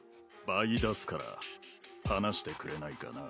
倍出すから話してくれないかな？